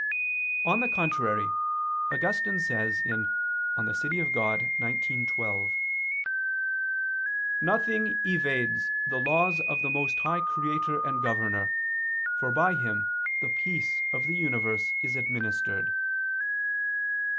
On the contrary, Augustine says (De Civ. Dei xix, 12): "Nothing evades the laws of the most high Creator and Governor, for by Him the peace of the universe is administered."